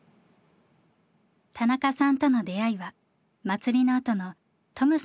田中さんとの出会いは祭りのあとのトムさんの家でした。